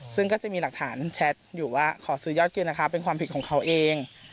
ซึ่งก็จะมีหลักฐานแชทอยู่ว่าขอซื้อยอดกินนะคะเป็นความผิดของเขาเอง